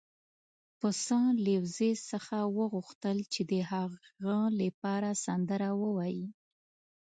پسه له وزې څخه وغوښتل چې د هغه لپاره سندره ووايي.